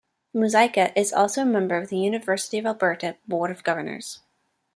Muzyka is also a member of the University of Alberta Board of Governors.